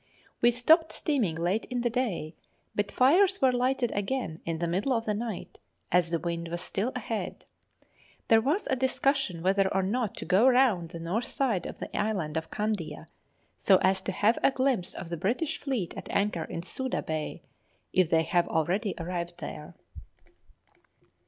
We stopped steaming late in the day, but fires were lighted again in the middle of the night, as the wind was still ahead. There was a discussion whether or not to go round the north side of the Island of Kandia, so as to have a glimpse of the British Fleet at anchor in Suda Bay, if they have already arrived there.